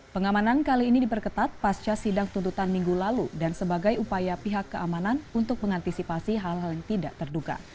pengamanan kali ini diperketat pasca sidang tuntutan minggu lalu dan sebagai upaya pihak keamanan untuk mengantisipasi hal hal yang tidak terduga